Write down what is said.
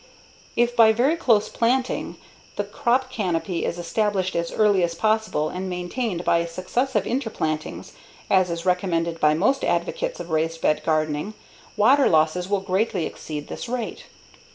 If by very close planting the crop canopy is established as early as possible and maintained by successive interplantings, as is recommended by most advocates of raised bed gardening, water losses will greatly exceed this rate.